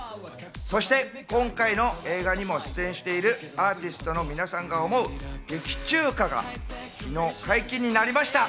そして今回の映画にも出演しているアーティストの皆さんが歌う劇中歌が昨日、解禁になりました。